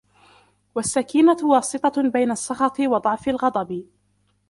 وَالسَّكِينَةُ وَاسِطَةٌ بَيْنَ السَّخَطِ وَضَعْفِ الْغَضَبِ